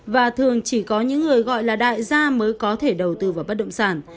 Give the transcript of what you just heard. và thường chỉ có những người gọi là đại gia mới có thể đầu tư vào bất động sản